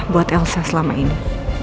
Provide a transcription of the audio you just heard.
buat elsa selama ini